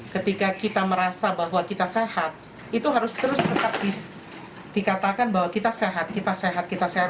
ketika kita merasa bahwa kita sehat itu harus terus tetap dikatakan bahwa kita sehat kita sehat kita sehat